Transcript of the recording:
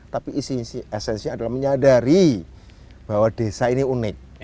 tapi isi isi esensinya adalah menyadari bahwa desa ini unik